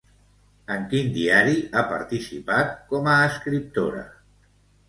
En quin diari ha participat com a escriptora?